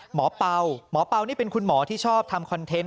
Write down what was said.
เป่าหมอเป่านี่เป็นคุณหมอที่ชอบทำคอนเทนต์